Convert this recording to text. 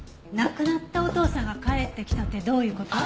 亡くなったお父さんが帰ってきたってどういう事？